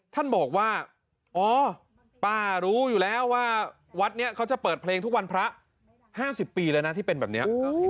ท่านบอกว่าไม่เคยรู้ว่าวัดจะเปิดเพลงประหลังละ๕๐ปีแล้วนะที่เป็นแบบนี้